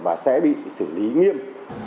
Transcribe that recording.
và sẽ bị xử lý nghiêm